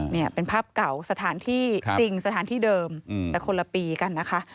นี่เป็นภาพเก่าสถานที่จริงสถานที่เดิมแต่คนละปีกันนะคะ